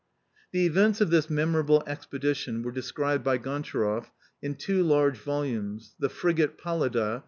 The events of this memorable expedition were described by Gontcharoff in two large volumes, The Frigate " Pallada?